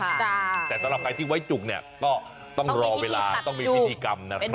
แต่สำหรับใครที่ไว้จุกเนี่ยก็ต้องรอเวลาต้องมีพิธีกรรมนะครับ